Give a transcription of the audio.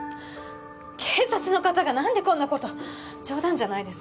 警察の方が何でこんなこと冗談じゃないです